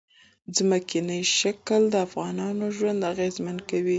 ځمکنی شکل د افغانانو ژوند اغېزمن کوي.